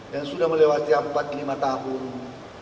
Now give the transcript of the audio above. yang sudah melewati empat lima tahun